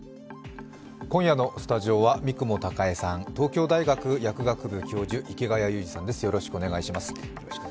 今夜のスタジオは三雲孝江さん、東京大学薬学部教授、池谷裕二さんです。